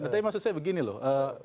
tapi maksud saya begini loh